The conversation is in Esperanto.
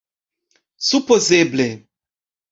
supozeble